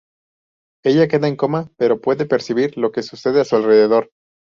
Ella queda en coma, pero puede percibir lo que sucede a su alrededor.